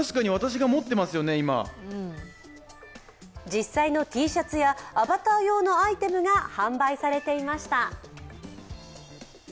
実際のＴシャツやアバター用のアイテムが販売されていました。